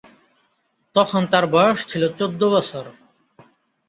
তখন তার বয়স ছিল চৌদ্দ বছর।